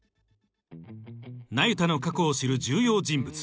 那由他の過去を知る重要人物